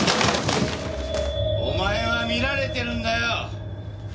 お前は見られてるんだよ。